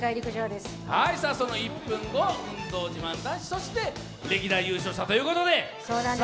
その１分後、運動自慢男子、そして、歴代優勝者ということで。